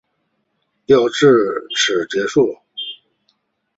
标会至此结束。